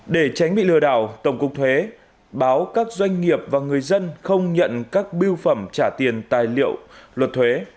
để tránh bị lừa đảo tổng cục thuế báo các doanh nghiệp và người dân không nhận các biêu phẩm trả tiền tài liệu luật thuế